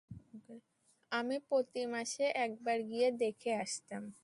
আমি প্রতিমাসে একবার গিয়ে দেখে আসতাম।